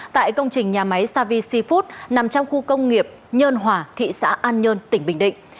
tại công trình nhà máy savi food nằm trong khu công nghiệp nhơn hòa thị xã an nhơn tỉnh bình định